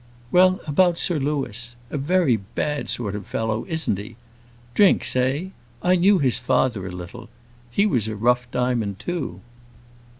"Well, about Sir Louis; a very bad sort of fellow, isn't he? Drinks eh? I knew his father a little. He was a rough diamond, too.